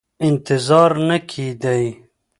انتظار نه کېدی.